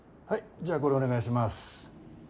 じゃあこれお願いします。